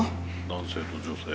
男性と女性。